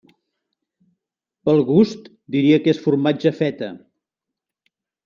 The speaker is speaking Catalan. Pel gust, diria que és formatge feta.